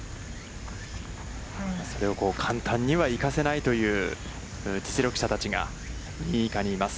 それを簡単には行かせないという、実力者たちが、２位以下にいます。